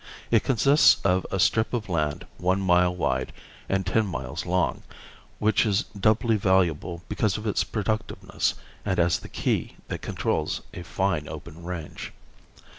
It consists of a strip of land one mile wide and ten miles long, which is doubly valuable because of its productiveness and as the key that controls a fine open range.